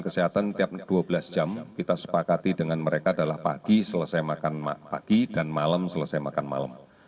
kesehatan tiap dua belas jam kita sepakati dengan mereka adalah pagi selesai makan pagi dan malam selesai makan malam